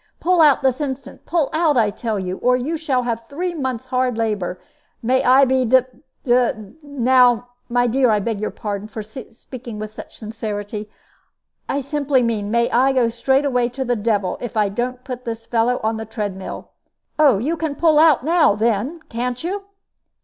"Pull out this instant; pull out, I tell you, or you shall have three months' hard labor. May I be d d now my dear, I beg your pardon for speaking with such sincerity I simply mean, may I go straightway to the devil, if I don't put this fellow on the tread mill. Oh, you can pull out now, then, can you?"